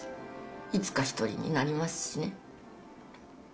いつか一人になりますしね。